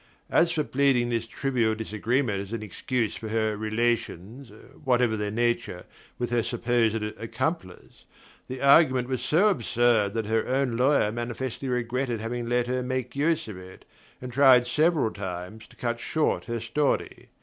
As for pleading this trivial disagreement as an excuse for her relations whatever their nature with her supposed accomplice, the argument was so absurd that her own lawyer manifestly regretted having let her make use of it, and tried several times to cut short her story.